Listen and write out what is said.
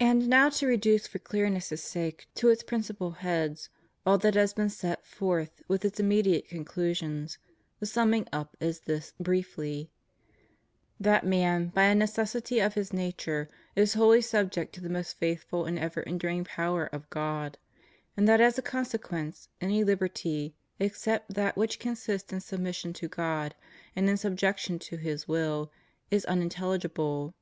And now to reduce for clearness' sake to its principal heads all that has been set forth with its immediate con clusions, the summing up is this briefly: that man, by a necessity of his nature, is wholly subject to the most faithful and ever enduring power of God; and that as a consequence any liberty, except that which consists in submission to God and in subjection to His will, is unintelligible.